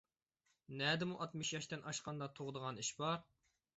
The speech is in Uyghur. نەدىمۇ ئاتمىش ياشتىن ئاشقاندا تۇغىدىغان ئىش بار؟